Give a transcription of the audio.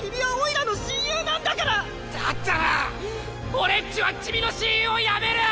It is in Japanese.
俺っちはチミの親友をやめる！